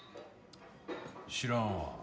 知らんわ。